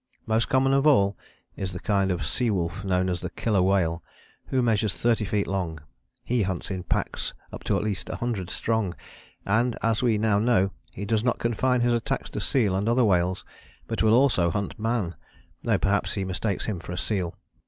Most common of all is the kind of sea wolf known as the Killer Whale, who measures 30 feet long. He hunts in packs up to at least a hundred strong, and as we now know, he does not confine his attacks to seal and other whales, but will also hunt man, though perhaps he mistakes him for a seal.